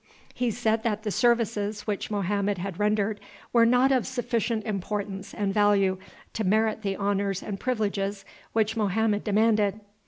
He said that the services which Mohammed had rendered were not of sufficient importance and value to merit the honors and privileges which Mohammed demanded.